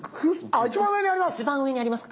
あっ一番上にあります。